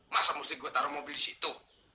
masa mesti gue taruh mobil di situ